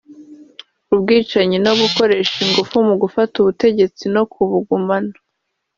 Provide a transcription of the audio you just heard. ubwicanyi no gukoresha ingufu mu gufata ubutegetsi no kubugumana